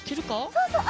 そうそう。